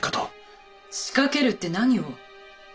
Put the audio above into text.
仕掛けるって何を？